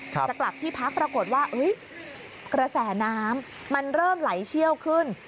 จะกลับที่พักปรากฏว่ากระแสน้ำมันเริ่มไหลเชี่ยวขึ้น